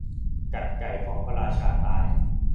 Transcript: กัดไก่ของพระราชาตาย